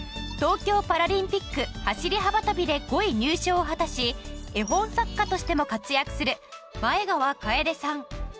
東京パラリンピック走り幅跳びで５位入賞を果たし絵本作家としても活躍する前川楓さん。